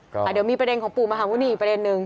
เดี๋ยวมีประเด็นของปู่มหาวุณีอีกประเด็นนึง